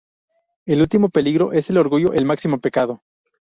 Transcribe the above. El último peligro es el orgullo, el máximo pecado.